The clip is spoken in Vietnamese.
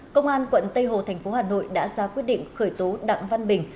công an quận tây hồ thành phố hà nội đã ra quyết định khởi tố đặng văn bình